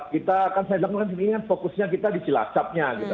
kita kan saya bilang kan ini kan fokusnya kita di cilacapnya gitu